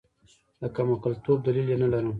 د کمعقلتوب دلیل یې نلرم.